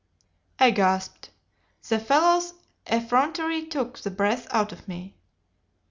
"I gasped; the fellow's effrontery took the breath out of me.